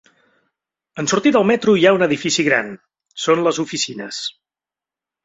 En sortir del metro hi ha un edifici gran, són les oficines.